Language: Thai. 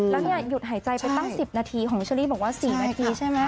แล้วเนี่ยหยุดหายใจไปตั้ง๑๐นาทีของเชอรี่บอกว่า๔นาทีใช่ไหม